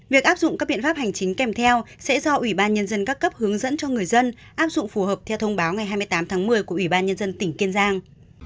việc áp dụng các biện pháp hành chính kèm theo sẽ do ubnd các cấp hướng dẫn cho người dân áp dụng phù hợp theo thông báo ngày hai mươi tám tháng một mươi của ubnd tỉnh kiên giang